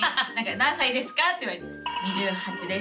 「何歳ですか？」って言われて。